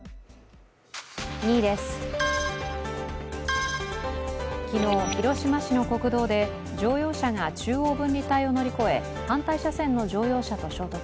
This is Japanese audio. ２位です、昨日広島市の国道で乗用車が中央分離帯を乗り越え、反対車線の乗用車と衝突。